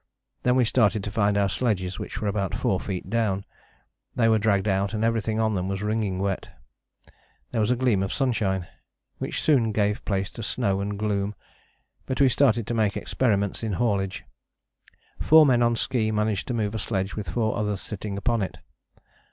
Then we started to find our sledges which were about four feet down: they were dragged out, and everything on them was wringing wet. There was a gleam of sunshine, which soon gave place to snow and gloom, but we started to make experiments in haulage. Four men on ski managed to move a sledge with four others sitting upon it.